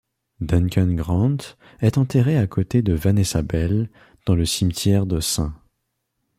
Duncan Grant est enterré à côté de Vanessa Bell dans le cimetière de St.